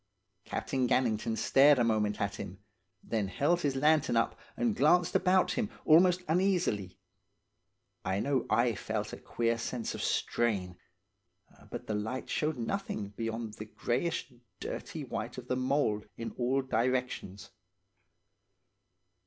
Captain Gannington stared a moment at him, then held his lantern up and glanced about him almost uneasily. I know I felt a queer sense of strain. But the light showed nothing beyond the greyish dirty white of the mould in all directions.